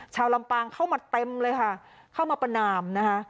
ลำปางเข้ามาเต็มเลยค่ะเข้ามาประนามนะคะ